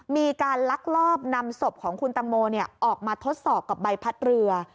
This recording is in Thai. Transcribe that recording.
มีการลักลอบนำศพของคุณตังโมออกมาทดสอบกับใบพัดเรือ